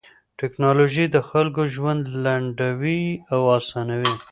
ټکنالوژي د خلکو ژوند لنډوي او اسانوي.